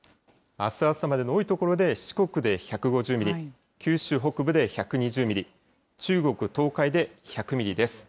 あす朝までの多い所で、四国で１５０ミリ、九州北部で１２０ミリ、中国、東海で１００ミリです。